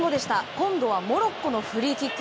今度はモロッコのフリーキック。